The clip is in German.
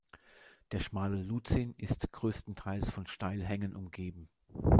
Der Schmale Luzin ist größtenteils von Steilhängen umgeben.